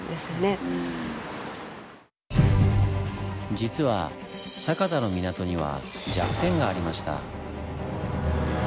実は酒田の港には弱点がありました。